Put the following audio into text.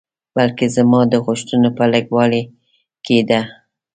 بلکې زما د غوښتنو په لږوالي کې ده.